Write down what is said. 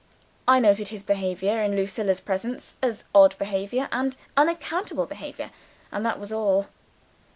I noted his behavior in Lucilla's presence as odd behavior and unaccountable behavior and that was all.